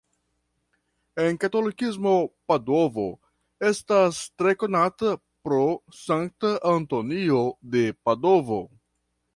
En katolikismo Padovo estas tre konata pro Sankta Antonio de Padovo.